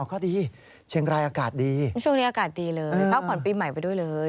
อากาศดีช่วงนี้อากาศดีเลยพักผ่อนปีใหม่ไปด้วยเลย